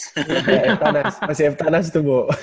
iya eftanas masih eftanas tuh bu